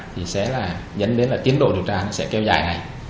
thì sẽ là dẫn đến là tiến độ điều tra nó sẽ kéo dài ngày